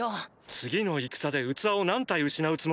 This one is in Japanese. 次の戦で器を何体失うつもりだ？